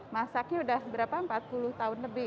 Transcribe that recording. masaknya udah berapa empat puluh tahun lebih